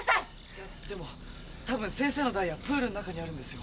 いやでもたぶん先生のダイヤプールの中にあるんですよ。